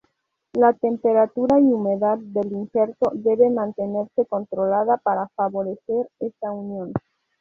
La temperatura y humedad del injerto debe mantenerse controlada para favorecer esta unión.